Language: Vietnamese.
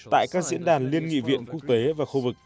tại các diễn đàn liên nghị viện quốc tế và khu vực